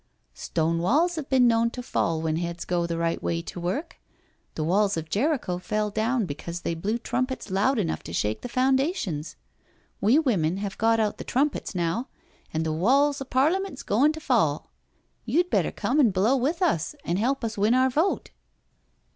" Stone walls have been known to fall when heads go the right way to work. The walls of Jericho fell down because they blew trumpets loud enough to shake the foundations. We women have got out the trumpets now, and the walls of Parliment 's goin* to fall. You'd better come an' blow with us, and help us win our vote."